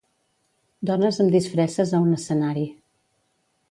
Dones amb disfresses a un escenari.